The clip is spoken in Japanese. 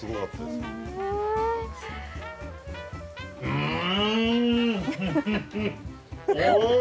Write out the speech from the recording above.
うん。